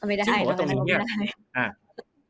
เอาไม่ได้เอาไม่ได้